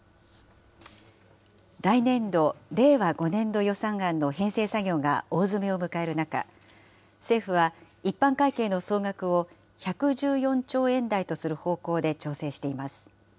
来年度・令和５年度予算案の編成作業が大詰めを迎える中、政府は、一般会計の総額を１１４兆円台とする方向で調整しています。